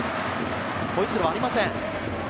ホイッスルはありません。